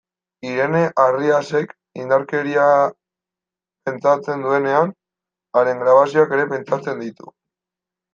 Irene Arriasek, indarkeria pentsatzen duenean, haren grabazioak ere pentsatzen ditu.